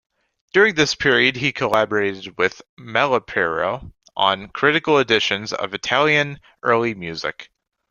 During this period he collaborated with Malipiero on critical editions of Italian early music.